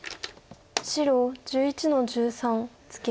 白１１の十三ツケ。